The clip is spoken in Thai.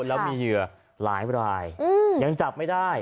แล้วมีเหยื่อหลายรายยังจับไม่ได้